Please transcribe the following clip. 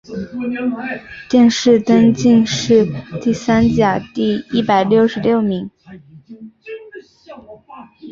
殿试登进士第三甲第一百六十六名。